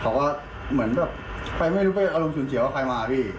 เขาก็เหมือนแบบใครไม่รู้ไปเอาลุงศูนย์เสียว่าใครมาพี่